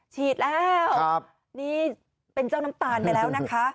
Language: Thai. ฉีดแล้วนี่เป็นเจ้าน้ำตาลไปแล้วนะคะ